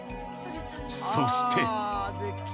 そして。